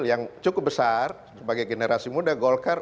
yang cukup besar sebagai generasi muda golkar